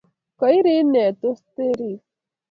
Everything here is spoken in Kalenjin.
Kairi inee tosterit